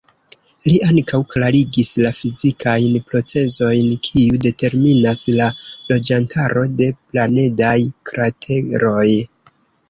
Li ankaŭ klarigis la fizikajn procezojn, kiu determinas la loĝantaro de planedaj krateroj.